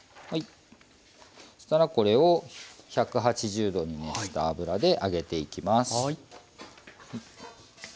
そしたらこれを１８０℃に熱した油で揚げていきます。